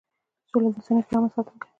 سوله د انساني کرامت ساتنه کوي.